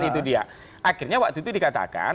itu dia akhirnya waktu itu dikatakan